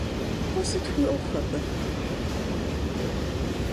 Уэ сыт хуиӀуэху абы?